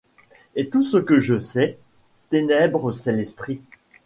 Et tout ce que je sais, ténèbres, c’est l’esprit